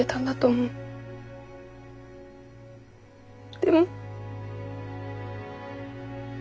でも。